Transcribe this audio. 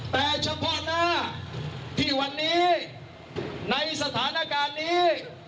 แต่เฉพาะหน้าที่วันนี้ในสถานการณ์นี้